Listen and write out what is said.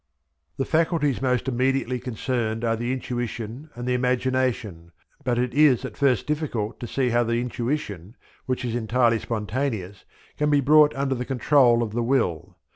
The faculties most immediately concerned are the intuition and the imagination, but it is at first difficult to see how the intuition, which is entirely spontaneous, can be brought under the control of the will.